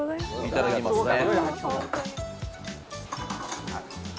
いただきますね。